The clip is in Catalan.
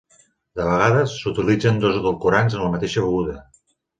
De vegades, s'utilitzen dos edulcorants en la mateixa beguda.